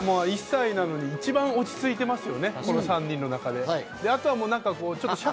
１歳なのに一番落ち着いていますよね、この３人の中で。